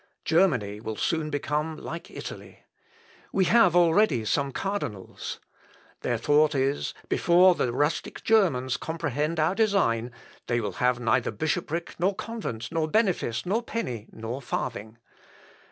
Germany will soon become like Italy. We have already some cardinals. Their thought is before the rustic Germans comprehend our design they will have neither bishoprick, nor convent, nor benefice, nor penny, nor farthing.